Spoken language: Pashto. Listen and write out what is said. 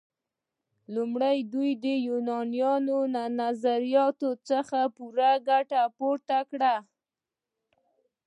لومړی دوی د یونانیانو له نظریاتو څخه ګټه پورته کړه.